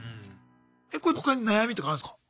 え他に悩みとかあるんすか？